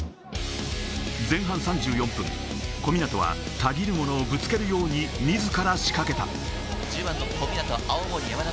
前半３４分、小湊はたぎるものをぶつけるように自ら仕掛けた。